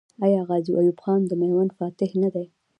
آیا غازي ایوب خان د میوند فاتح نه دی؟